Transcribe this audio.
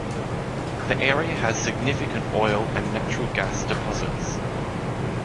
The area has significant oil and natural gas deposits.